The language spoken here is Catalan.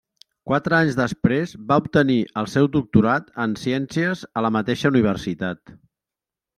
Quatre anys després va obtenir el seu doctorat en ciències a la mateixa universitat.